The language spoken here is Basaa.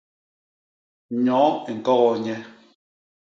Nnyoo i ñkogoo nye.